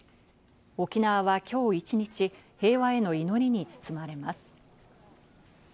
沖縄はきょう一日、平和への祈りに包まれます。